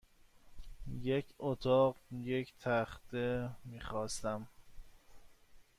یک اتاق یک تخته میخواستم.